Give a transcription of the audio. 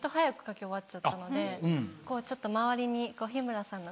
こうちょっと周りに。